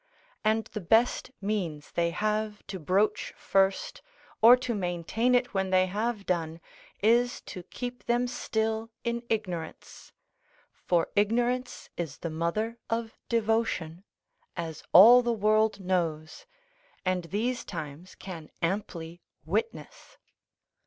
And the best means they have to broach first, or to maintain it when they have done, is to keep them still in ignorance: for ignorance is the mother of devotion, as all the world knows, and these times can amply witness.